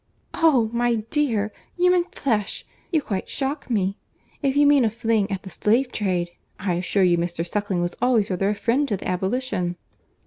"Oh! my dear, human flesh! You quite shock me; if you mean a fling at the slave trade, I assure you Mr. Suckling was always rather a friend to the abolition."